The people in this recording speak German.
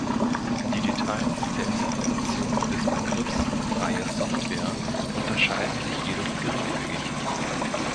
Die Details der Interpretation des Begriffs freie Software unterscheiden sich jedoch geringfügig.